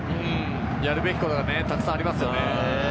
やるべきことがたくさんありますよね。